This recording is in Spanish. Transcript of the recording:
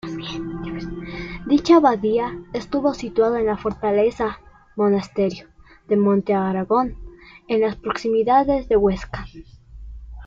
Dicha Abadía estuvo situada en la Fortaleza-monasterio de Montearagón, en las proximidades de Huesca.